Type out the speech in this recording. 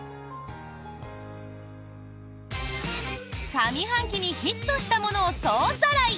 上半期にヒットしたものを総ざらい！